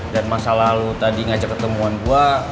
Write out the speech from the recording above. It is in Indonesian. dan masa lalu tadi ngajak ketemuan gue